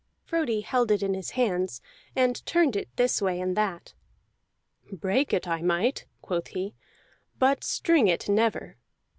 Frodi held it in his hands, and turned it this way and that. "Break it I might," quoth he, "but string it never."